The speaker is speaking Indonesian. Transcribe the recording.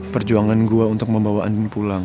perjuangan gue untuk membawa anin pulang